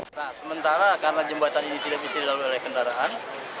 nah sementara karena jembatan ini tidak bisa dilalui oleh kendaraan